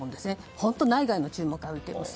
本当、内外の注目を浴びています。